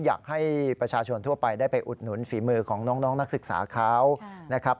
อยากให้ประชาชนทั่วไปได้ไปอุดหนุนฝีมือของน้องนักศึกษาเขานะครับ